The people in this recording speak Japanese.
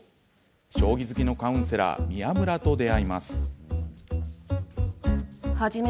将棋好きのカウンセラー宮村と出会います。